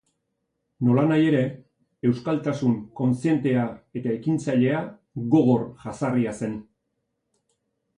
Nolanahi ere, euskaltasun kontzientea eta ekintzailea gogor jazarria zen.